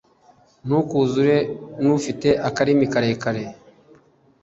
ntukuzure n'ufite akarimi karekare